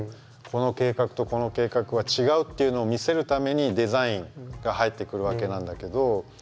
この計画とこの計画は違うっていうのを見せるためにデザインが入ってくるわけなんだけど。